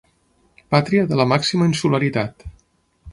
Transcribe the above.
Pàtria de la màxima insularitat.